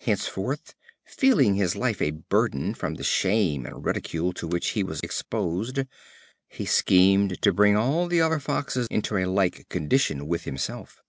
Henceforth, feeling his life a burden from the shame and ridicule to which he was exposed, he schemed to bring all the other Foxes into a like condition with himself.